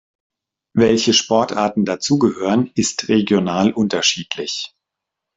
Welche Sportarten dazugehören, ist regional unterschiedlich.